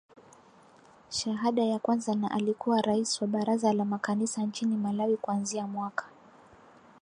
shahada ya kwanza na alikuwa rais wa baraza la makanisa nchini Malawi kuanzia mwaka